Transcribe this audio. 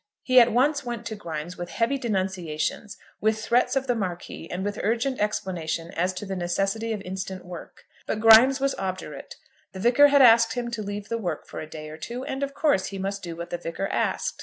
He at once went to Grimes with heavy denunciations, with threats of the Marquis, and with urgent explanation as to the necessity of instant work. But Grimes was obdurate. The Vicar had asked him to leave the work for a day or two, and of course he must do what the Vicar asked.